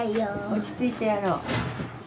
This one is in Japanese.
落ち着いてやろう。